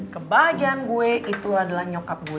kebahagiaan gue itu adalah nyokap gue